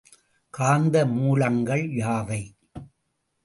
காந்த மூலங்கள் யாவை?